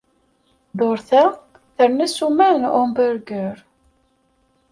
Dduṛt-a, terna ssuma n uhamburger.